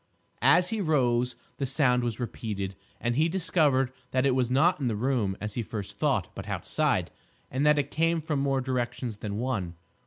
As he rose the sound was repeated, and he discovered that it was not in the room as he first thought, but outside, and that it came from more directions than one.